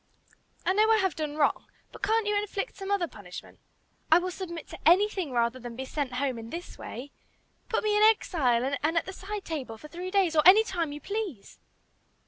I know I have done wrong, but can't you inflict some other punishment? I will submit to anything rather than be sent home in this way. Put me in 'exile' and at the 'side table,' for three days, or any time you please!"